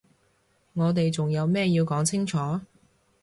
我哋仲有咩要講清楚？